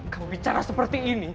kamu bicara seperti ini